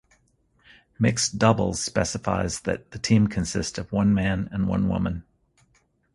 Mixed doubles specifies that the team consist of one man and one woman.